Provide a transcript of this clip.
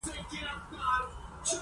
دا هغه عامل دی چې پاچا شیام یې هڅولی و.